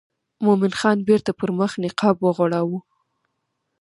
مومن خان بیرته پر مخ نقاب وغوړاوه.